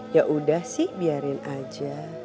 yaudah sih biarin aja